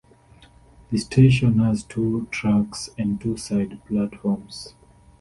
The station has two tracks and two side platforms.